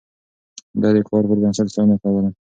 ده د کار پر بنسټ ستاينه کوله.